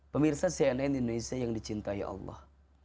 pemirsa cnn indonesia yang dicintai allah